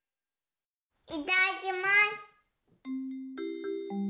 いただきます。